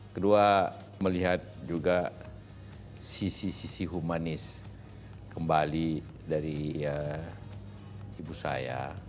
kedua melihat juga sisi sisi humanis kembali dari ibu saya